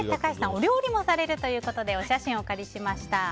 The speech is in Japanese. お料理もされるということでお写真をお借りしました。